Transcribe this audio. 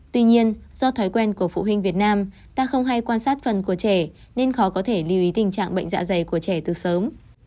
tuy nhiên do thói quen của phụ huynh việt nam ta không hay quan sát phần của trẻ nên khó có thể lưu ý tình trạng bệnh dạ dày của trẻ từ sớm